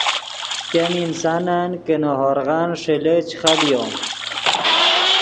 ګیم انسانن کہ نے ہورغن ݰیلے چے خبیو